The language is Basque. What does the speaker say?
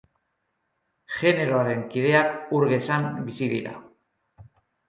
Generoaren kideak ur gezan bizi dira.